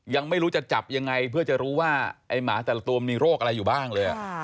ยังไม่รู้จะจับยังไงเพื่อจะรู้ว่าไอ้หมาแต่ละตัวมันมีโรคอะไรอยู่บ้างเลย